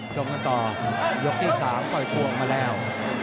ชมกันต่อยกที่๓ปล่อยตัวออกมาแล้ว